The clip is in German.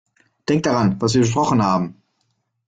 Denk daran, was wir besprochen haben!